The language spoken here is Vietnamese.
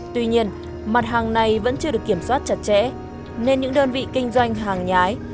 tuy nhiên mặt hàng này vẫn chưa được kiểm soát chặt chẽ nên những đơn vị kinh doanh hàng nhái